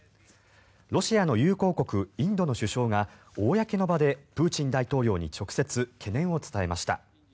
ロシアの友好国インドの首相が公の場でプーチン大統領に直接、懸念を伝えました。